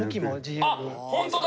あっホントだ！